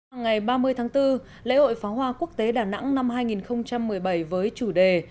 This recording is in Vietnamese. ngày ba mươi tháng bốn lễ hội pháo hoa quốc tế đà nẵng năm hai nghìn một mươi bảy với chủ đề